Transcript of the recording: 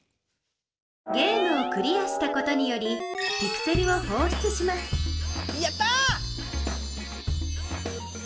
ゲームをクリアしたことによりピクセルをほうしゅつしますやったぁ！